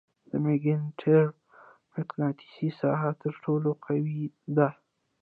د ماګنیټار مقناطیسي ساحه تر ټولو قوي ده.